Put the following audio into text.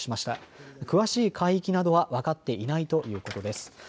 ただ詳しい海域などは分かっていないということです。